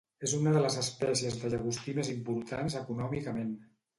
És una de les espècies de llagostí més importants econòmicament.